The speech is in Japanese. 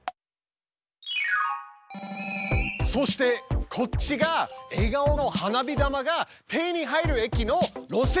そしてこっちが笑顔の花火玉が手に入る駅の路線図です。